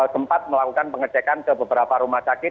sempat melakukan pengecekan ke beberapa rumah sakit